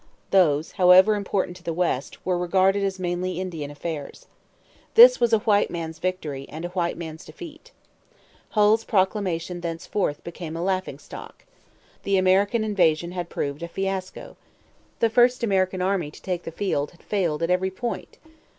Those, however important to the West, were regarded as mainly Indian affairs. This was a white man's victory and a white man's defeat. Hull's proclamation thenceforth became a laughing stock. The American invasion had proved a fiasco. The first American army to take the field had failed at every point.